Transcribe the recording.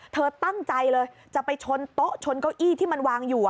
เธอตั้งใจเลยจะไปชนโต๊ะชนเก้าอี้ที่มันวางอยู่